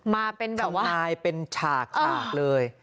มาเป็นแบบว่าสำนายเป็นฉากเลย